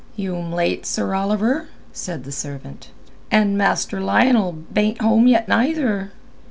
"You'm late, Sir Oliver," said the servant, "and Master Lionel bain't home yet neither."